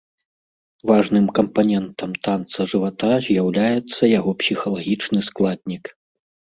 Важным кампанентам танца жывата з'яўляецца яго псіхалагічны складнік.